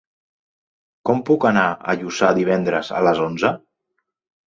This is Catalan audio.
Com puc anar a Lluçà divendres a les onze?